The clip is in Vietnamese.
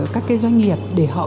các doanh nghiệp để họ